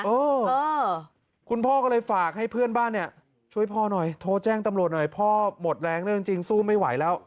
เออคุณพ่อก็เลยฝากให้เพื่อนบ้านเนี่ยช่วยพ่อหน่อยโทรแจ้งตำรวจหน่อยพ่อหมดแรงแล้วจริงสู้ไม่ไหวแล้ว